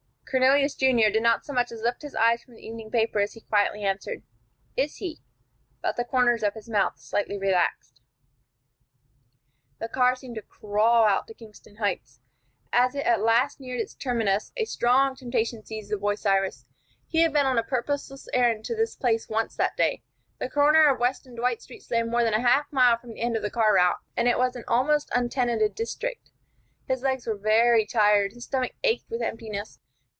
Cornelius, Junior, did not so much as lift his eyes from the evening paper, as he quietly answered, "Is he?" But the corners of his mouth slightly relaxed. The car seemed to crawl out to Kingston Heights. As it at last neared its terminus, a strong temptation seized the boy Cyrus. He had been on a purposeless errand to this place once that day. The corner of West and Dwight Streets lay more than half a mile from the end of the car route, and it was an almost untenanted district. His legs were very tired; his stomach ached with emptiness.